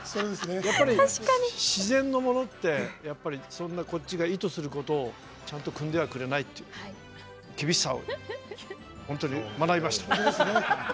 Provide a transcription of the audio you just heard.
やっぱり、自然のものってこっちが意図することをちゃんとくんではくれないという厳しさを本当に学びました。